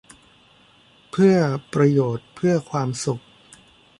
เพื่อประโยชน์ เพื่อความสุข